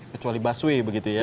kecuali busway begitu ya